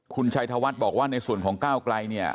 คุณชัยธวัฒน์บอกว่าในส่วนของก้าวไกลเนี่ย